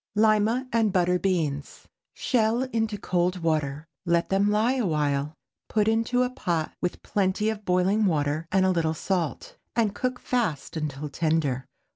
LIMA AND BUTTER BEANS. Shell into cold water; let them lie a while; put into a pot with plenty of boiling water and a little salt, and cook fast until tender.